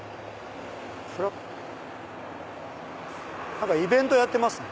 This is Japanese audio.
何かイベントやってますね。